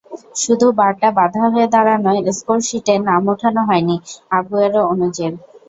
শুধু বারটা বাধা হয়ে দাঁড়ানোয় স্কোরশিটে নাম ওঠানো হয়নি আগুয়েরো অনূজের।